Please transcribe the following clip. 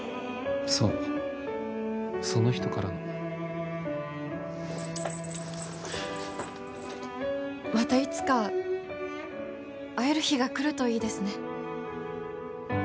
そうその人からのまたいつか会える日が来るといいですね